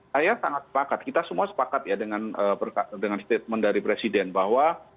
saya sangat sepakat kita semua sepakat ya dengan statement dari presiden bahwa